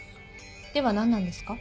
では何なんですか？